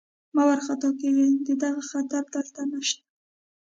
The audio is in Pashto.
مه وارخطا کېږئ، د دغه خطر دلته نشته.